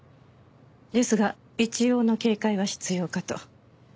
ですが一応の警戒は必要かと。